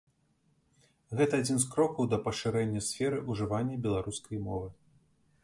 Гэта адзін з крокаў да пашырэння сферы ўжывання беларускай мовы.